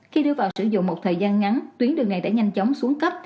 khi đưa vào sử dụng một thời gian ngắn tuyến đường này đã nhanh chóng xuống cấp